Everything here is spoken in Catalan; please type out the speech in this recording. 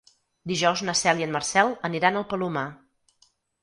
Dijous na Cel i en Marcel aniran al Palomar.